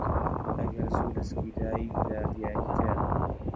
ئەگەر زوو لەسکی دایکدا دیاریکرا